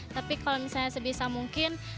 tapi kalau misalnya sebisa mungkin